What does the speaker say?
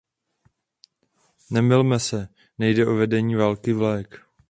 Nemylme se, nejde o vedení války vlajek.